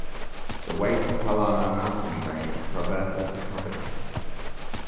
The Waytapallana mountain range traverses the province.